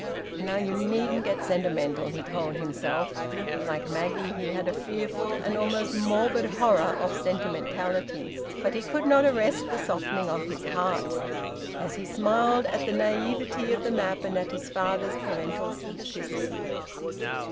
"Now you needn't get sentimental!" he told himself. Like Maggie he had a fearful, an almost morbid, horror of sentimentality. But he could not arrest the softening of his heart, as he smiled at the naivete of the map and at his father's parental simplicity.